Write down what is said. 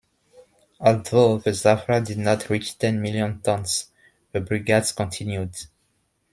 Although the "zafra" did not reach ten million tons, the Brigades continued.